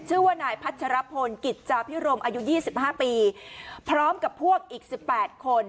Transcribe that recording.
ชื่อว่านายพัชรพลกิจจาพิโรมอายุยี่สิบห้าปีพร้อมกับพวกอีกสิบแปดคน